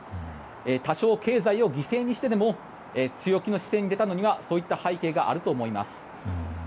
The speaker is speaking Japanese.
多少、経済を犠牲にしてでも強気の姿勢に出たのにはそういった背景があると思います。